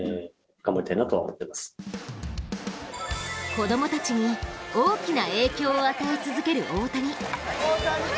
子供たちに大きな影響を与え続ける大谷。